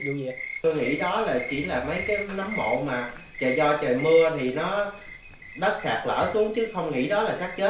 tôi nghĩ đó chỉ là mấy cái nấm mộ mà do trời mưa thì nó đất sạt lở xuống chứ không nghĩ đó là sát chết